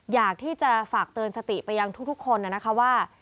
อยากที่จะฝากเตือนสติไปยังทุกคนนะคะว่า